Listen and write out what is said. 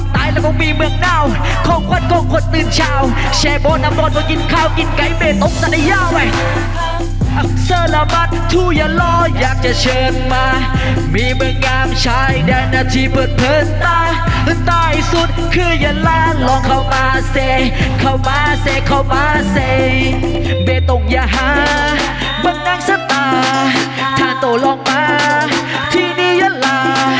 ท่านตัวลองมาที่นี้ยันล่า